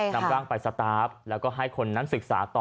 นำร่างไปสตาร์ฟแล้วก็ให้คนนั้นศึกษาต่อ